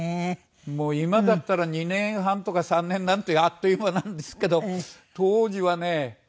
もう今だったら２年半とか３年なんてあっという間なんですけど当時はね